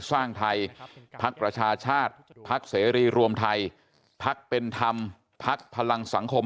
สร้างไทยพักประชาชาติพักเสรีรวมไทยพักเป็นธรรมพักพลังสังคม